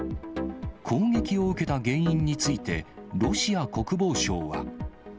攻撃を受けた原因について、ロシア国防省は。